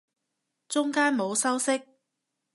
中間冇修飾